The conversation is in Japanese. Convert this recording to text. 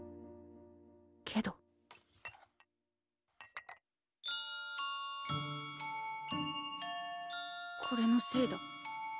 けどこれのせいだ。